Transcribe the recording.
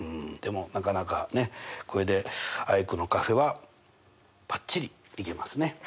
でもなかなかこれでアイクのカフェはバッチリいけますね。